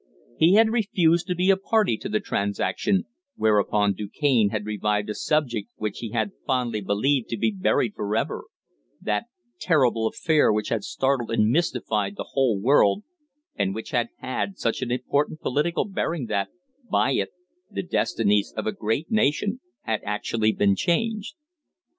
He had refused to be a party to the transaction, whereupon Du Cane had revived a subject which he had fondly believed to be buried for ever that terrible affair which had startled and mystified the whole world, and which had had such an important political bearing that, by it, the destinies of a great nation had actually been changed.